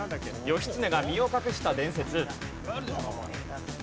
義経が身を隠した伝説。